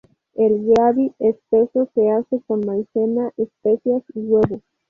El "gravy" espeso se hace con maicena, especias y huevo.